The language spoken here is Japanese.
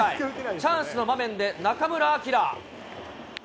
チャンスの場面で中村晃。